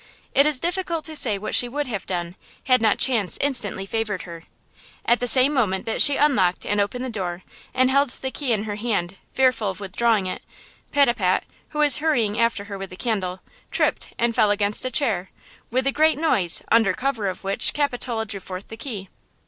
It is difficult to say what she would have done, had not chance instantly favored her. At the same moment that she unlocked and opened the door and held the key in her hand fearful of withdrawing it, Pitapat, who was hurrying after her with the candle, tripped and fell against a chair, with a great noise, under cover of which Capitola drew forth the key.